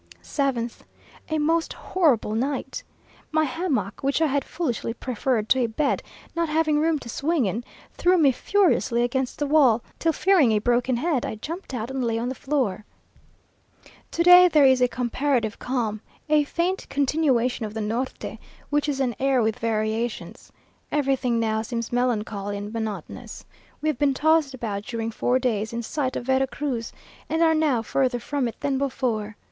7th. A most horrible night! My hammock, which I had foolishly preferred to a bed, not having room to swing in, threw me furiously against the wall, till fearing a broken head, I jumped out and lay on the floor. To day there is a comparative calm, a faint continuation of the Norte, which is an air with variations. Everything now seems melancholy and monotonous. We have been tossed about during four days in sight of Vera Cruz, and are now further from it than before.